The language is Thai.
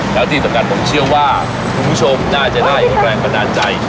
แล้วที่ในตะกัดผมเชื่อว่าผู้คุณผู้ชมน่าจะได้แขกแปดนาดใจ